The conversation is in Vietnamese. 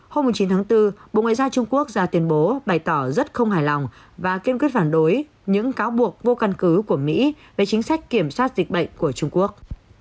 hôm chín tháng bốn bộ ngoại giao trung quốc ra tuyên bố bày tỏ rất không hài lòng và kiên quyết phản đối những cáo buộc vô căn cứ của mỹ về chính sách kiểm soát dịch bệnh của trung quốc